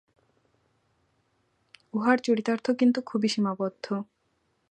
উহার চরিতার্থ কিন্তু খুবই সীমাবদ্ধ।